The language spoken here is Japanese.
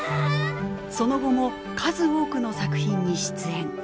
その後も数多くの作品に出演。